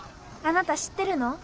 あなた知ってるの？